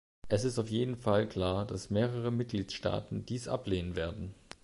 Es ist auf jeden Fall klar, dass mehrere Mitgliedstaaten dies ablehnen werden.